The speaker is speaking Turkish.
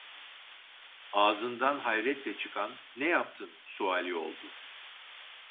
Ağzından hayretle çıkan "Ne yaptın?" suali oldu.